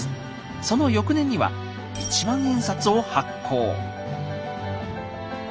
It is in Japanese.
その翌年には一万円札を発行。